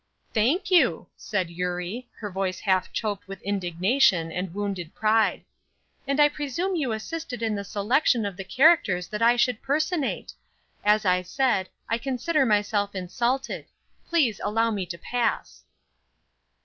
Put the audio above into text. "Thank you," said Eurie, her voice half choked with indignation and wounded pride. "And I presume you assisted in the selection of the characters that I should personate! As I said, I consider myself insulted. Please allow me to pass."